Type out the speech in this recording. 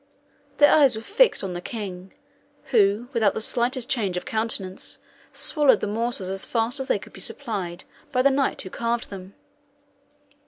Their eyes were fixed on the king, who, without the slightest change of countenance, swallowed the morsels as fast as they could be supplied by the knight who carved them.